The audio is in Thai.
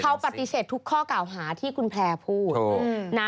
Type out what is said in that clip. เขาปฏิเสธทุกข้อกล่าวหาที่คุณแพร่พูดนะ